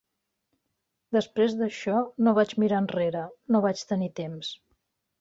Després d'això no vaig mirar enrere; no vaig tenir temps.